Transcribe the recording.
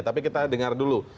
tapi kita dengar dulu